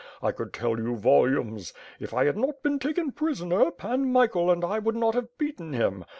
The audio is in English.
I could tell you volumes! If I had not been taken prisoner, Pan Michael and I would not have beaten him.